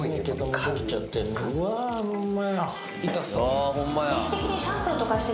うわホンマや。